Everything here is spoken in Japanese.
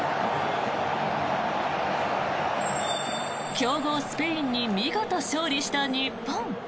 強豪スペインに見事勝利した日本。